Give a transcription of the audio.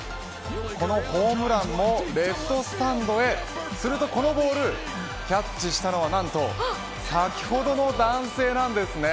このホームランもレフトスタンドへすると、このボールキャッチしたのは何と先ほどの男性なんですね。